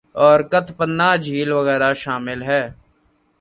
اور کت پناہ جھیل وغیرہ شامل ہیں